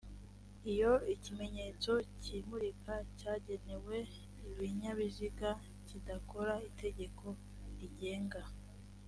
iyo ikimenyetso kimurika cyagenewe ibinyabiziga kidakora itegeko rigenga